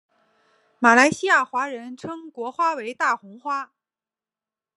马来西亚华人称国花为大红花。